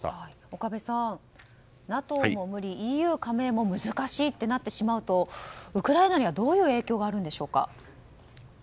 岡部さん、ＮＡＴＯも無理ＥＵ加盟も難しいとなるとウクライナにはどんな影響があるんでしょうか。